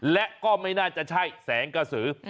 และก็ไม่น่าจะใช่แสงกระสือ